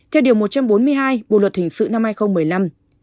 theo điều một trăm bốn mươi hai bộ luật hình sự năm hai nghìn một mươi năm